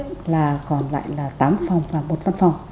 tuy nhiên là còn lại là tám phòng và một văn phòng